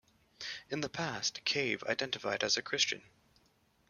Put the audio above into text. In the past, Cave identified as a Christian.